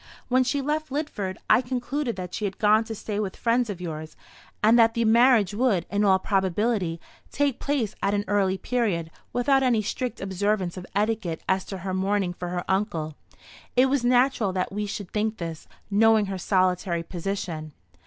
When she left Lidford, I concluded that she had gone to stay with friends of yours, and that the marriage would, in all probability, take place at an early period, without any strict observance of etiquette as to her mourning for her uncle. It was natural that we should think this, knowing her solitary position."